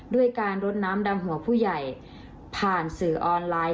ด้วยการรดน้ำดำหัวผู้ใหญ่ผ่านสื่อออนไลน์